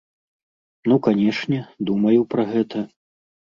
Ну, канешне, думаю пра гэта.